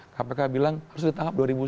kpk bilang harus ditangkap dua ribu sepuluh